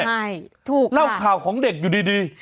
ใช่ถูกเล่าข่าวของเด็กอยู่ดี